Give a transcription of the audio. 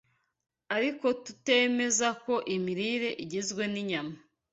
Ariko turemeza ko imirire igizwe n’inyama